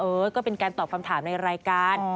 เออก็เป็นการตอบคำถามในรายการ